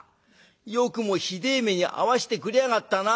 よくもひでえ目に遭わしてくれやがったな。